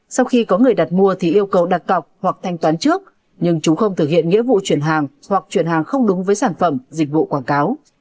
sau khi có người đặt mua thì yêu cầu đặt cọc hoặc thanh toán trước nhưng chúng không thực hiện nghĩa vụ chuyển hàng hoặc chuyển hàng không đúng với sản phẩm dịch vụ quảng cáo